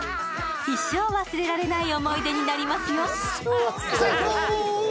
一生忘れられない思い出になりますよ。